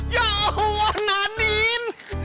ya allah nadine